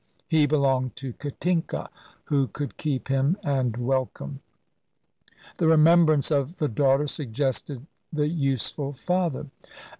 He belonged to Katinka, who could keep him and welcome. The remembrance of the daughter suggested the useful father.